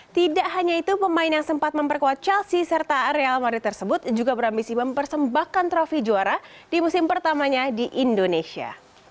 tidak hanya itu pemain yang sempat memperkuat chelsea serta real madrid tersebut juga berambisi mempersembahkan trofi juara di musim pertamanya di indonesia